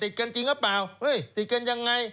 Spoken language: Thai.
ติดกันจริงหรือเปล่าติดกันยังไง